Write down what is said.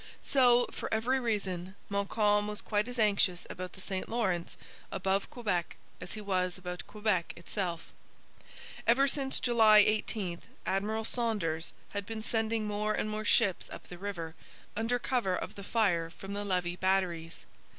So, for every reason, Montcalm was quite as anxious about the St Lawrence above Quebec as he was about Quebec itself. Ever since July 18 Admiral Saunders had been sending more and more ships up the river, under cover of the fire from the Levis batteries.